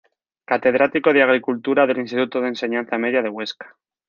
Catedrático de Agricultura del Instituto de Enseñanza Media de Huesca.